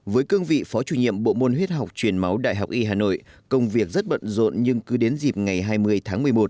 với cương vị phó chủ nhiệm bộ môn huyết học truyền máu đại học y hà nội công việc rất bận rộn nhưng cứ đến dịp ngày hai mươi tháng một mươi một